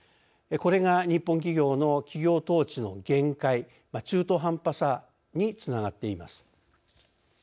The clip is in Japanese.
これが日本企業の企業統治の限界中途半端さにつながっています。